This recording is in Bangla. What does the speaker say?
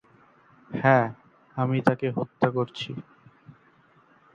হ্যা, আমি তাকে হত্যা করছি।